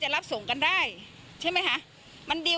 เกิดว่าจะต้องมาตั้งโรงพยาบาลสนามตรงนี้